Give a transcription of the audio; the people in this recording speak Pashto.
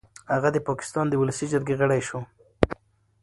هغه د پاکستان د ولسي جرګې غړی شو.